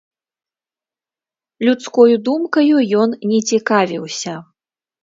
Людскою думкаю ён не цікавіўся.